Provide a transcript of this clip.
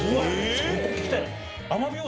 そこを聞きたい。